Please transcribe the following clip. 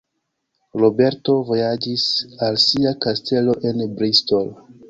Roberto vojaĝis al sia kastelo en Bristol.